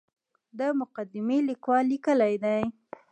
د مقدمې لیکوال لیکلي دي.